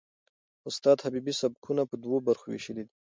استاد حبیبي سبکونه په دوو برخو وېشلي دي.